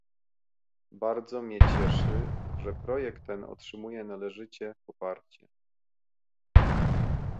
Bardzo mnie cieszy, że projekt ten otrzymuje należycie poparcie